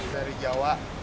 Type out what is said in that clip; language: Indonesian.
dari jawa ke